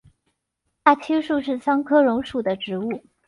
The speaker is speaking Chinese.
大青树是桑科榕属的植物。